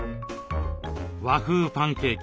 和風パンケーキ